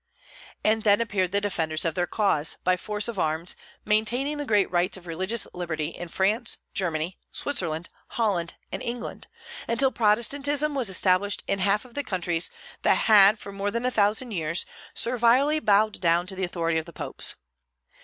And then appeared the defenders of their cause, by force of arms maintaining the great rights of religious liberty in France, Germany, Switzerland, Holland, and England, until Protestantism was established in half of the countries that had for more than a thousand years servilely bowed down to the authority of the popes.